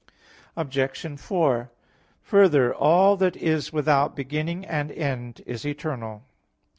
Obj. 4: Further, all that is without beginning and end is eternal.